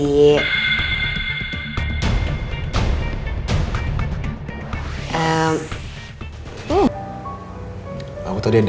aku tadi ada urusan mendadak mah makanya ngantarin andin terus aku langsung pergi lagi